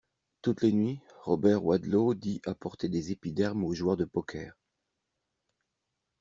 Toutes les nuits, Robert Wadlow dit apporter des épidermes au joueur de poker!